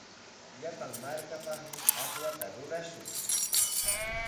Llapan markapaqmi aswata rurashun.